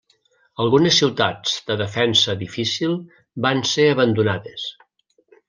Algunes ciutats de defensa difícil van ser abandonades.